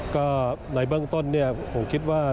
ก็ในเบื้องต้นผมคิดว่า